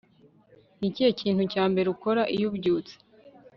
Ni ikihe kintu cya mbere ukora iyo ubyutse